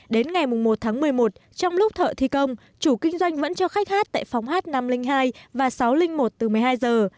đến ngày một tháng một mươi một trong lúc thợ thi công chủ kinh doanh vẫn cho khách hát tại phòng h năm trăm linh hai và sáu trăm linh một từ một mươi hai giờ